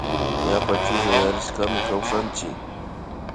Yapa chullayarishkami kawsanchik